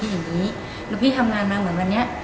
วันเมื่อพี่ทำงานมาเหมือนวันนี้